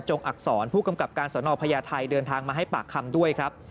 งอักษรผู้กำกับการสนพญาไทยเดินทางมาให้ปากคำด้วยครับ